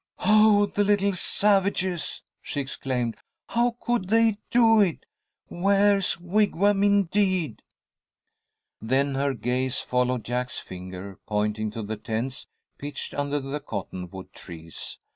"Oh, the little savages!" she exclaimed. "How could they do it? Ware's Wigwam, indeed!" Then her gaze followed Jack's finger pointing to the tents pitched under the cottonwood trees.